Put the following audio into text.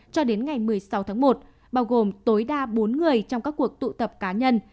cho đến ngày một mươi sáu tháng một bao gồm tối đa bốn người trong các cuộc tụ tập cá nhân